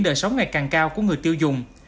đời sống ngày càng cao của người tiêu dùng